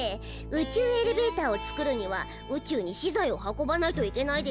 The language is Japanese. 宇宙エレベーターを作るには宇宙に資材を運ばないといけないでしょ。